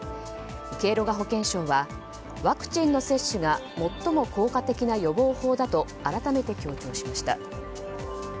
ケイロガ保健相はワクチンの接種が最も効果的な予防法だと改めて強調しました。